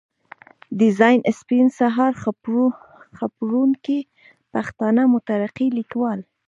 ډيزاين سپين سهار، خپروونکی پښتانه مترقي ليکوال.